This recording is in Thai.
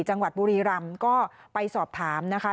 จังหวัดบุรีรำก็ไปสอบถามนะคะ